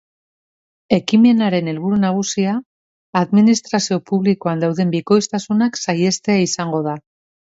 Ekimenaren helburu nagusia administrazio publikoan dauden bikoiztasunak saihestea izango da.